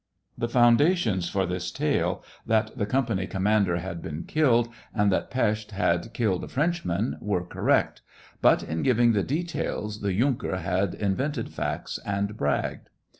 The foundations for this tale, that the com pany commander had been killed, and that Pesth had killed a Frenchman, were correct ; but, in giving the details, the yunker had invented facts and bragged.